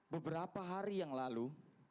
beberapa hari yang lalu